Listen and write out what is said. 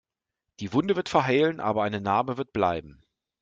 Die Wunde wird verheilen, aber eine Narbe wird bleiben.